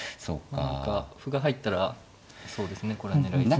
何か歩が入ったらそうですねこれは狙い筋。